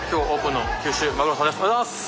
おはようございます！